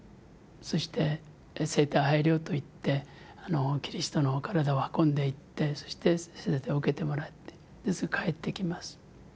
そして「聖体拝領」といってキリストのお体を運んでいってそして受けてもらってそれで帰ってきます。